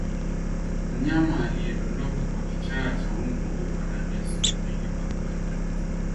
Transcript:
Mnyama aliyedondoka kwa kichaa cha mbwa hufa ndani ya siku mbili au tatu